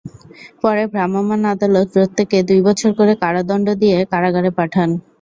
পরে ভ্রাম্যমাণ আদালত প্রত্যেককে দুই বছর করে কারাদণ্ড দিয়ে কারাগারে পাঠান।